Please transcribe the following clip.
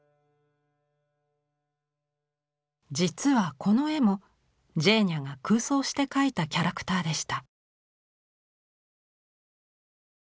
実はこの絵もジェーニャが空想して描いたキャラクターでした。